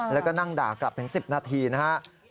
แล้วก็นั่งด่ากลับถึง๑๐นาทีนะครับ